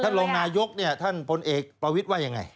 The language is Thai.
รองนายกเนี่ยท่านพลเอกประวิทย์ว่ายังไง